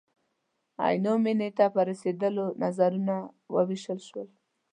عینو مېنې ته په رسېدلو نظرونه ووېشل شول.